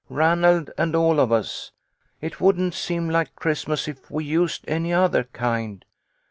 " Ranald and all of us. It wouldn't seem like Christmas if we used any other kind.